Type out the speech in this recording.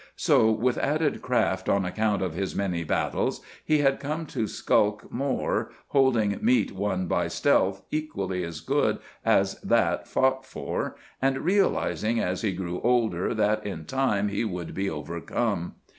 So, with added craft on account of his many battles, he had come to skulk more, holding meat won by stealth equally as good as that fought for, and realizing as he grew older that in time he would be overcome.